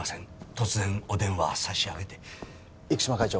突然お電話差し上げて生島会長